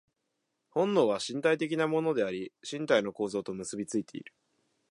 本能は身体的なものであり、身体の構造と結び付いている。